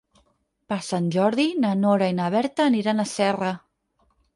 Per Sant Jordi na Nora i na Berta aniran a Serra.